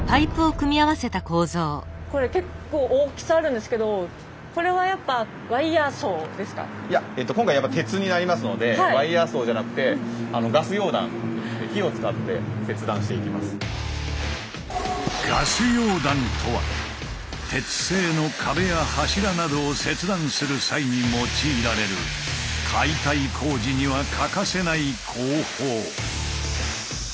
これ結構大きさあるんですけどこれはやっぱいや今回は鉄になりますのでワイヤーソーじゃなくてガス溶断とは鉄製の壁や柱などを切断する際に用いられる解体工事には欠かせない工法。